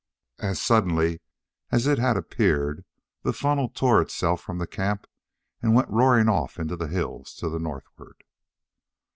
As suddenly as it had appeared the funnel tore itself from the camp and went roaring off into the hills to the northward.